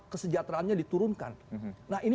kesejahteraannya diturunkan nah ini